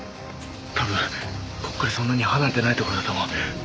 多分ここからそんなに離れてないところだと思う。